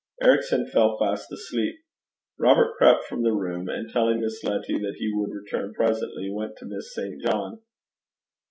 Ericson fell fast asleep. Robert crept from the room, and telling Miss Letty that he would return presently, went to Miss St. John.